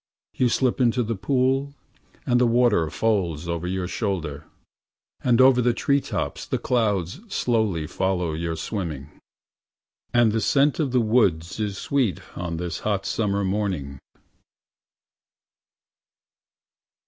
You slip into the pool and the water folds over your shoulder, And over the tree tops the clouds slowly follow your swimming, And the scent of the woods is sweet on this hot summer morning.